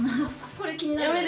これ気になる。